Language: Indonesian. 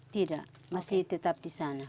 tidak masih tetap di sana